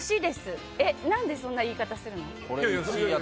何でそんな言い方するの？